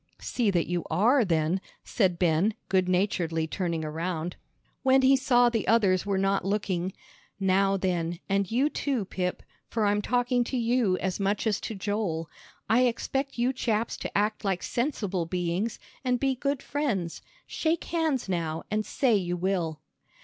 "See that you are, then," said Ben, good naturedly turning around. When he saw the others were not looking, "Now then, and you too, Pip, for I'm talking to you as much as to Joel, I expect you chaps to act like sensible beings, and be good friends. Shake hands now, and say you will."